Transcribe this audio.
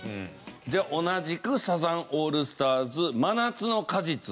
じゃあ同じくサザンオールスターズ『真夏の果実』。